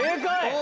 お！